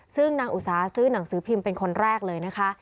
ซึ่งนางอุตสาหซื้อหนังสือพิมพ์เป็นคนแรกเลยนะคะ